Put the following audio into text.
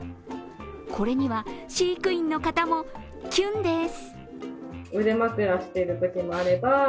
これには飼育員の方もキュンです。